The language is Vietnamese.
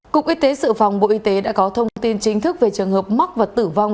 cục y tế sự phòng bộ y tế đã có thông tin chính thức về trường hợp mắc và tử vong